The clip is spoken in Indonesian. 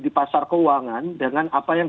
di pasar keuangan dengan apa yang